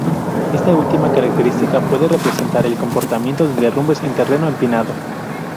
Esta última característica puede representar el comportamiento de derrumbes en terreno empinado.